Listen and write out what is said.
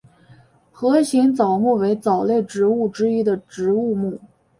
盒形藻目为藻类植物之一植物目。